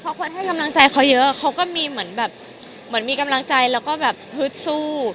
เพราะคนให้กำลังใจเขาเยอะเขาก็มีเหมือนแบบเหมือนมีกำลังใจแล้วก็แบบฮึดสู้